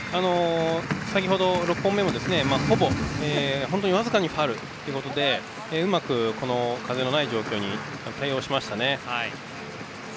先ほどの６本目も僅かにファウルということでうまく風のない状況に対応しましたね。